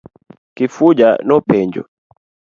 Kifuja no penjo.